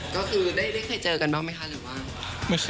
ก็คือได้เคยเจอกันบ้างไหมคะหรือว่า